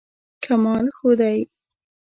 کمال ښودی.